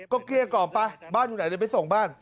ก็เกลี้ยกล่อมไปบ้านอยู่ไหนเดี๋ยวไปส่งบ้าน